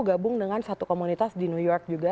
gabung dengan satu komunitas di new york juga